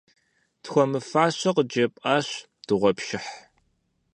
Тхуэмыфащэ къыджепӀащ дыгъуэпшыхь.